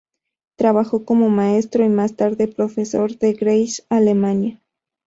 Trabajó como maestro y más tarde profesor en Greiz, Alemania.